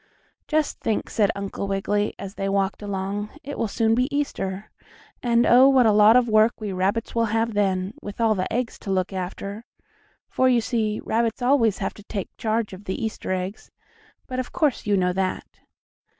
"Just think," said Uncle Wiggily, as they walked along. "It will soon be Easter. And, oh! what a lot of work we rabbits will have then, with all the eggs to look after. For, you see, rabbits always have to take charge of the Easter eggs, but of course you know that."